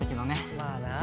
まあな